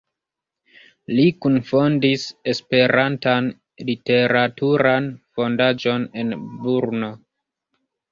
Li kunfondis Esperantan Literaturan Fondaĵon en Brno.